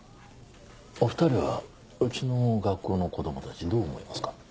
お２人はうちの学校の子供たちどう思いますか？